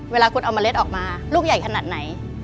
เวลาคุณเอาเมล็ดออกมาลูกใหญ่ขนาดไหน